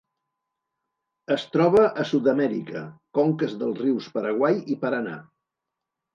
Es troba a Sud-amèrica: conques dels rius Paraguai i Paranà.